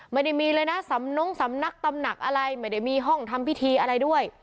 ไม่ได้มีเลยนะสำนงสำนักตำหนักอะไรไม่ได้มีห้องทำพิธีอะไรด้วย